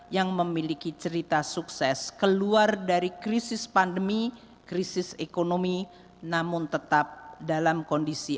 yang memiliki cerita sukses keluar dari krisis pandemi krisis ekonomi namun tetap dalam kondisi